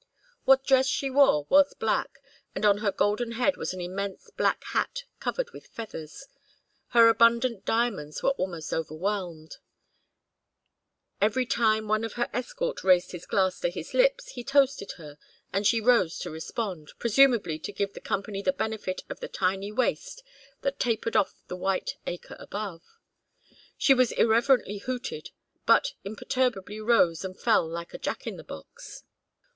What dress she wore was black, and on her golden head was an immense black hat covered with feathers. Her abundant diamonds were almost overwhelmed. Every time one of her escort raised his glass to his lips he toasted her, and she rose to respond, presumably to give the company the benefit of the tiny waist that tapered off the white acre above. She was irreverently hooted, but imperturbably rose and fell like a jack in the box.